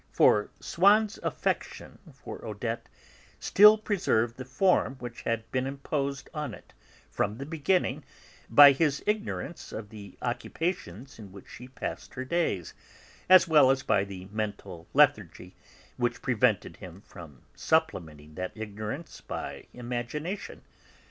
For Swann's affection for Odette still preserved the form which had been imposed on it, from the beginning, by his ignorance of the occupations in which she passed her days, as well as by the mental lethargy which prevented him from supplementing that ignorance by imagination.